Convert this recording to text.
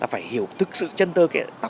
phải hiểu thực sự chân tơ